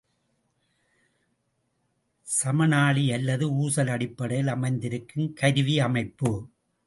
சமனாழி அல்லது ஊசல் அடிப்படையில் அமைந்திருக்கும் கருவியமைப்பு.